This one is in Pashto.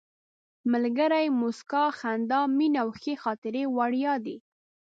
ملګري، موسکا، خندا، مینه او ښې خاطرې وړیا دي.